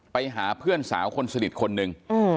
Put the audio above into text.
ไปหาเพื่อนสาวคนสนิทคนหนึ่ง